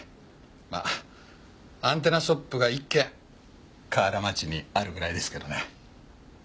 まあアンテナショップが１軒河原町にあるぐらいですけどね。